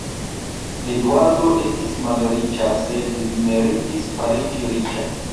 Eduardo estis malriĉa; sed li meritis fariĝi riĉa.